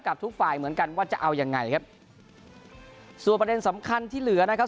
ทุกฝ่ายเหมือนกันว่าจะเอายังไงครับส่วนประเด็นสำคัญที่เหลือนะครับ